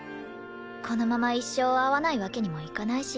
このまま一生会わないわけにもいかないし。